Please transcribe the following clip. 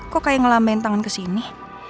kok kayak ngelambain tangan kesini